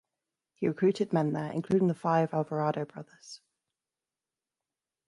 He recruited men there, including the five Alvarado brothers.